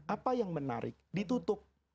apa yang menarik ditutup